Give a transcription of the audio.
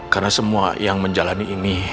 karena semua yang menjalani ini